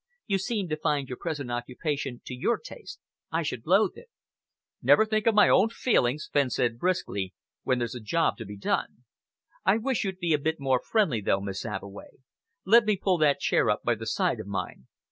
"You seem to find your present occupation to your taste. I should loathe it!" "Never think of my own feelings," Fenn said briskly, "when there's a job to be done. I wish you'd be a bit more friendly, though, Miss Abbeway. Let me pull that chair up by the side of mine.